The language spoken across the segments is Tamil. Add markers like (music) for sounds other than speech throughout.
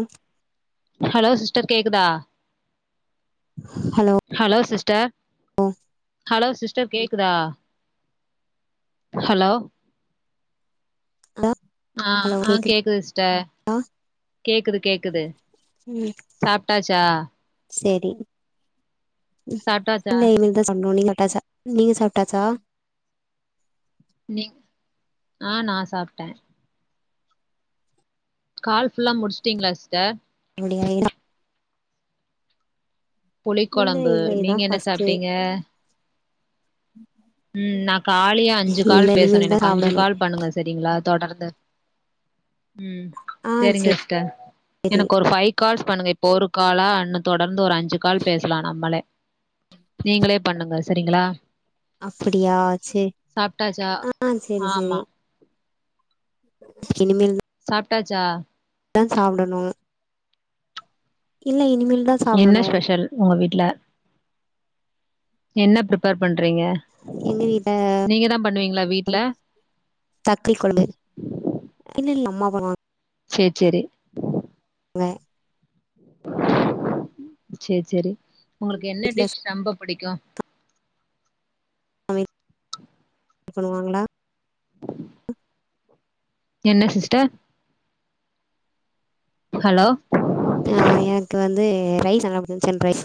ஒம் ஹலோ சிஸ்டர் கேக்குதா hello hello sister hello sister கேக்குதா ஹலோ ஆ ஹலோ ஆ கேக்குதா கேக்குது சிஸ்ட கேக்குது கேக்குது ம் சாப்ட்டாச்சா சேரி ம் சாப்ட்டாச்சா இல்ல இனு (unintelligible) நீங்க சாப்டாச்சா நீ ஆ நா சாப்ட்டே கால் ஃபுல்லா முடிச்சுட்டீங்களா சிஸ்ட முடியலை இல்ல புளிக்குழம்பு இல்ல இதா நீங்க என்ன ஃபஸ்ட்டு சாப்ட்டீங்க ம் நா காலே அஞ்சு இல்ல கால் பேசணு இனிமேல்தா எனக்கு அஞ்சு சாப்டணு கால் பண்ணுங்க சரிங்ளா தொடர்ந்து ம் ஆ சேரிங்க சிஸ்ட சேரி எனக்கு ஒரு ஃபை கால்ஸ் பண்ணுங்க இப்போ ஒரு காலா இன்னு தொடர்ந்து ஒரு அஞ்சு கால் பேசலா நம்மளே நீங்களே பண்ணுங்க சரிங்களா அப்புடியா சேரி சாப்ட்டாச்சா ஆ சேரி ஆமா சேரி இனிமேல் சாப்டாச்சா தா சாப்டணு இல்ல இனிமேல் தா என்ன ஸ்பெஷல் உங்க வீட்டுல என்ன ப்ரிப்பேர் பண்றீங்க எங்க வீட்ல நீங்க தா பண்ணுவீங்ளா வீட்ல தக்ளி குழம்பு இல்ல இல்ல அம்மா பண்ணுவா சேர் சேரி வ சேர் சேரி உங்களுக்கு என்ன வீட்ல டிஷ் ரொம்ப பிடிக்கு (unintelligible) பண்ணுவாங்களா என்ன சிஸ்ட ஹலோ ஆ எனக்கு வந்து ரைஸ் நல்லா பிடிக்கு சிக்கன் ரைஸ்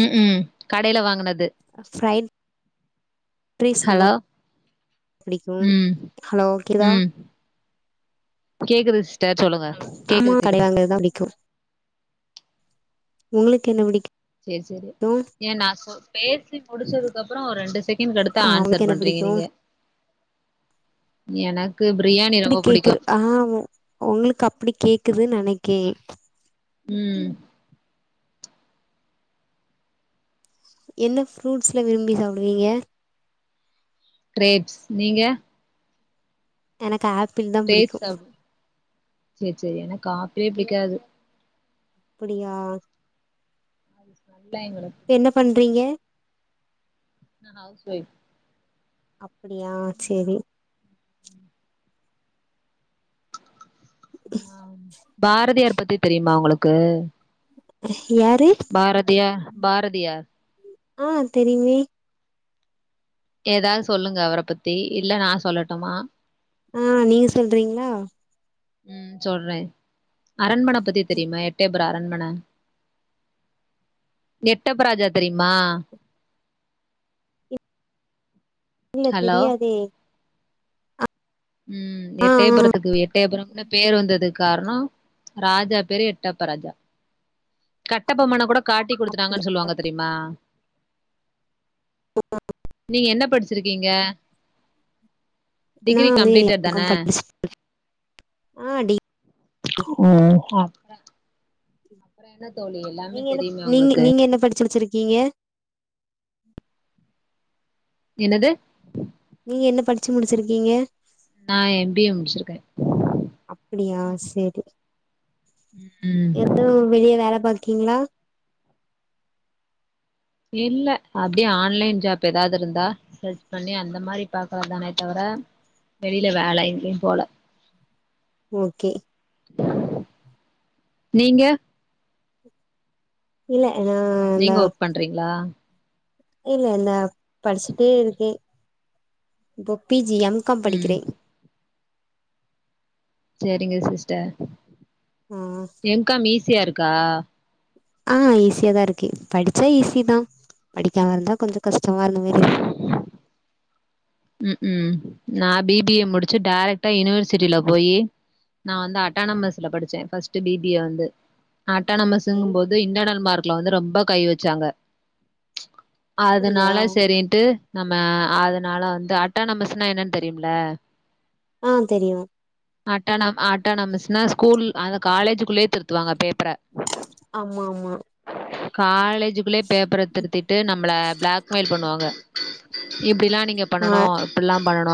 ம் ம் கடைல வாங்குனது ஃப்ரை ஹலோ புடிக்கு ம் ஹலோ கேக்குதா ம் கேக்குது சிஸ்ட சொல்லுங்க ஆமா கேக்குது கடைய கேக்குது வாங்கறதுதா புடிக்கு உங்களுக்கு என்ன புடிக்கு சேரி சேரி ஏ நா சொ பேசி முடிச்சதுக்கப்புறோ ஒரு ரெண்டு செகண்ட் கடுத்த ஆ உங்களுக்கு அன்சர் என்ன பண்றீங்க பிடிக்கு நீங்க என கு பிரியாணி அப்டி ரொம்ப புடிக்கு கேக்குது ஆ உங்களுக்கு அப்டி கேக்குதுன்னு நெனக்கே ம் என்ன ஃப்ரூட்ஸ்ல விரும்பி சாப்டுவீங்க க்ரேப்ஸ் நீங்க எனக்கு ஆப்பிள்தா க்ரேப்ஸ் சாப்டுவ சேர் சேரி எனக்கு ஆப்பிளே பிடிக்காது அப்படியா நல்லா என்னோட என்ன பண்றிங்க நா ஹவுஸ் ஒய்ஃப் அப்படியா செரி பாரதியார் பத்தி தெரியுமா உங்களுக்கு யாரு பாரதியார் பாரதியார் ஆ தெரியுமே எதாது சொல்லுங்க அவர பத்தி இல்ல நா சொல்லட்டுமா ஆ நீங்க சொல்றிங்ளா ம் சொல்ற அரண்மன பத்தி தெரியுமா எட்டய புர அரண்மன எட்டப்ப ராஜா தெரியுமா இல்ல ஹலோ தெரியாதே ஆ ம் ஆ எட்டயபுரத்துக்கு எட்டய புரம்னு பேர் வந்தது காரணோ ராஜா பேரு எட்டப்ப ராஜா கட்டபொம்மன கூட காட்டி அப்டி குடுத்துட்டாங்கன் சொல்லுவாங்க தெரியுமா நீங்க என்ன படிச்சிருக்கிங்க நா வந்து எம் காம் படிச்சிருக்க ஆ டி ஓ அப் பற என்ன தோழி எல்லாமே நீங்க என்ன தெரியுமே நீங்க உங்களுக்கு நீங்க என்ன படிச்சு வெச்சிருக்கிங்க என்னது நீங்க என்ன படிச்சு முடிச்சிருக்கிங்க நா எம் பி ஏ முடிச்சிருக்கே அப்பிடியா செரி ம் எதா வெளிய வேல பாக்கிங்ளா இல்ல அப்டியே ஆன்லைன் ஜாப் எதாது இருந்தா சர்ச் பண்ணி அந்த மாரி பாக்கறதானே தவர வெளில வேல எங்கயு போல ஓகே நீங்க இல்ல நா அந்தா பண்றிங்ளா இல்ல இல்ல படிச்சிட்டே இருக்கே இப்போ பி ஜி எம் காம் ம் படிக்கிறே செரிங்க சிஸ்டர் ஆ எம் காம் ஈஸியா இருக்கா ஆ ஈஸியாதா இருக்கு படிச்சா ஈஸிதா படிக்காம இருந்தா கொஞ்சொ கஷ்டமா அந்த மேரி இருக்கு ம் ம் நா பி பி ஏ முடிச்சு டேரெக்டா யுனிவர்சிட்டில போயி நா வந்து அட்டானமஸ்ல படிச்சே ஃபஸ்ட்டு பி பி ஏ வந்து ஓகே அட்டானமஸுங்கும் போது இன்டர்னல் மார்க்ல வந்து ரொம்ப கை வெச்சாங்க அப்டியா அதனால செரின்ட்டு நம்ம அதனால வந்து அட்டானமஸ்னா என்னன்னு தெரியும்ல ஆ தெரியு அட்டானம் அட்டாநாமஸ்னா ஸ்கூல் அந்த காலேஜுக்குள்ளயே திருத்துவாங்க பேப்பர ஆமா ஆமா காலேஜுக்குள்ளயே பேப்பர திருத்திட்டு நம்மள ப்ளாக்மெயில் பண்ணுவாங்க இப்டில்லா நீங்க ஆ பண்ணனு இப்புல்லா பண்ணனு